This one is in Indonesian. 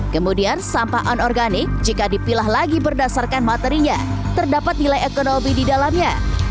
kemudian sampah organik jika dipilah lagi berdasarkan materinya terdapat nilai ekonomi di dalamnya